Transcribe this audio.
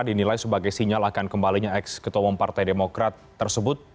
dinilai sebagai sinyal akan kembalinya ex ketua umum partai demokrat tersebut